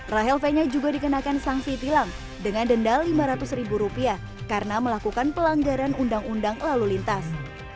rahel fenya juga dikenakan sanksi tilang dengan denda lima ratus ribu rupiah karena melakukan pelanggaran undang undang lalu lintas